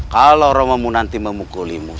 kalau romomu nanti memukulimu